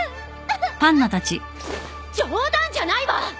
冗談じゃないわ！